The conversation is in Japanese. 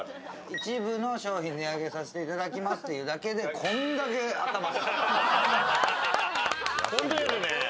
一部の商品値上げさせていただきますってだけでこんだけ頭を。